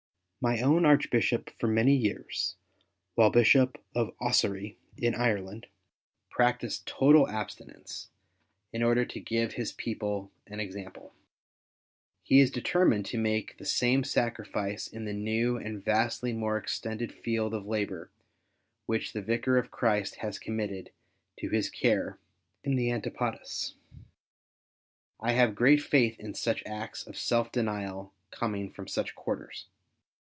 My own Archbishop, for many years, while Bishop of Ossory, in Ireland, practised total abstinence, in order to give his people an example. He is determined to make the same sacrifice in the new and vastly more extended field of labour which the Vicar of Christ has committed to his care at the Antipodes. I have great faith in such acts of self denial coming from such quarters.